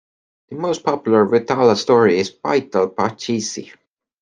The most popular vetala story is "Baital Pachisi".